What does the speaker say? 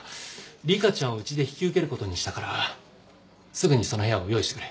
理香ちゃんをうちで引き受ける事にしたからすぐにその部屋を用意してくれ。